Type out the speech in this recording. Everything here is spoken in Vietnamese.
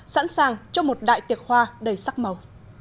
sẵn sàng cho một đại tiệc hoa đầy sắc màu